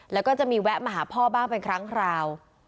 แล้วก็จะมีแวะมาหาพ่อบ้างเป็นครั้งคราว